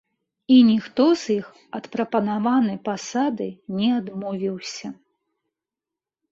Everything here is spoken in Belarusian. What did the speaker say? І ніхто з іх ад прапанаванай пасады не адмовіўся.